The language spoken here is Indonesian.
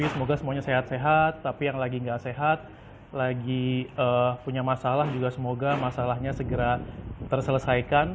semoga semuanya sehat sehat tapi yang lagi nggak sehat lagi punya masalah juga semoga masalahnya segera terselesaikan